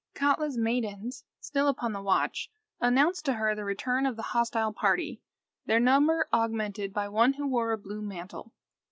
Katla's maidens, still upon the watch, announced to her the return of the hostile party, their number augmented by one who wore a blue mantle.